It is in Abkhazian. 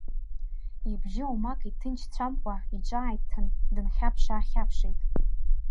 Ибжьы оумак иҭынчцәамкәа иҿааиҭын, дынхьаԥш-аахьаԥшит.